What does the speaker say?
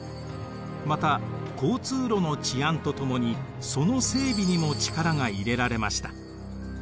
また交通路の治安とともにその整備にも力が入れられました。